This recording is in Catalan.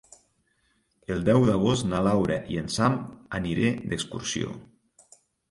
El deu d'agost na Laura i en Sam aniré d'excursió.